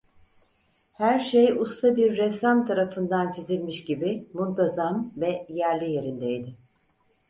Her şey usta bir ressam tarafından çizilmiş gibi muntazam ve yerli yerindeydi.